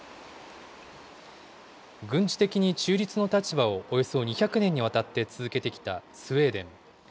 軍事的に中立の立場をおよそ２００年にわたって続けてきたスウェーデン。